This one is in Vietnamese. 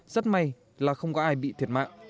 rất may là không có ai bị thiệt mạng